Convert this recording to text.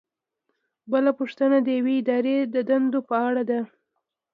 بله پوښتنه د یوې ادارې د دندو په اړه ده.